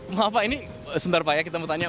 maaf pak ini sebentar pak ya kita mau tanya